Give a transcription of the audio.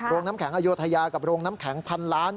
น้ำแข็งอโยธยากับโรงน้ำแข็งพันล้าน